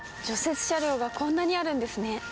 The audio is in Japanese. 雪車両がこんなにあるんですね。